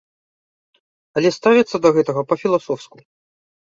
Але ставяцца да гэтага па-філасофску.